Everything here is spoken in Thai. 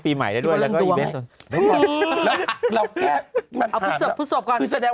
ปีใหม่ได้ด้วยแล้วก็อีเว้นต์เราแก้ผู้สอบก่อนคือแสดง